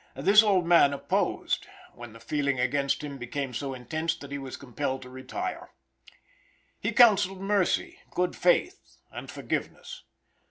This the old man opposed, when the feeling against him became so intense that he was compelled to retire. He counselled mercy, good faith, and forgiveness.